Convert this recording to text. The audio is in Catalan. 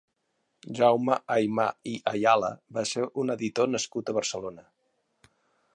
Jaume Aymà i Ayala va ser un editor nascut a Barcelona.